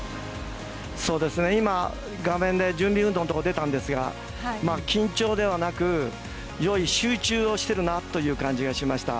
今画面で準備運動のところ出たんですが、緊張ではなく集中しているなという感じがしました。